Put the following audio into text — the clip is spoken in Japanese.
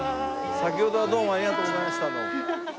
先ほどはどうもありがとうございました。